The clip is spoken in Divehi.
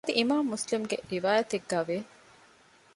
އަދި އިމާމު މުސްލިމުގެ ރިވާޔަތެއްގައި ވޭ